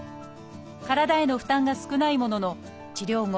体への負担が少ないものの治療後